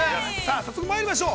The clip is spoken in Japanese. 早速まいりましょう。